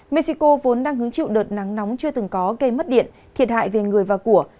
mexico vốn đang hứng chịu đợt nắng nóng chưa từng có gây mất điện thiệt hại về người và của